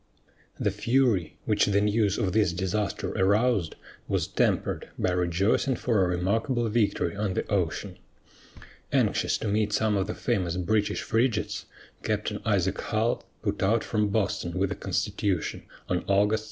The fury which the news of this disaster aroused was tempered by rejoicing for a remarkable victory on the ocean. Anxious to meet some of the famous British frigates, Captain Isaac Hull put out from Boston with the Constitution on August 2.